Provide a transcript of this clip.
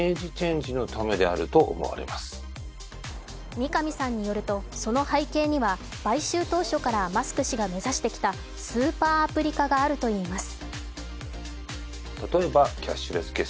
三上さんによるとその背景には買収当初からマスク氏が目指してきたスーパーアプリ化があるといいます。